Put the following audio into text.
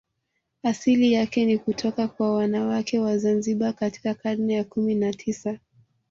Asili yake ni kutoka kwa wanawake wa Zanzibar katika karne ya kumi na tisa